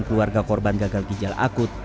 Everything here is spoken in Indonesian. keluarga korban gagal ginjal akut